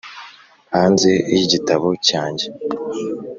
hanze y'igitabo cyanjye.